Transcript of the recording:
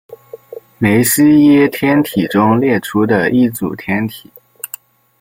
梅西耶天体中列出的一组天体。